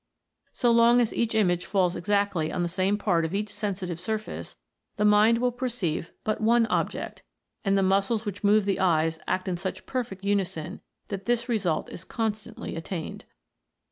So long as each image falls exactly on the same part of each sensitive sur face, the mind will perceive but one object, and the muscles which move the eyes act in such perfect unison that this result is constantly attained.